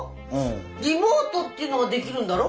リモートっていうのができるんだろう？